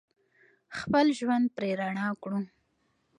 خپل ژوند پرې رڼا کړو.